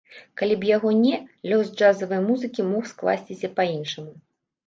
Калі б яго не, лёс джазавай музыкі мог скласціся па-іншаму.